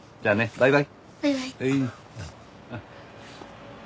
バイバイ。